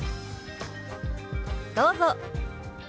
どうぞ。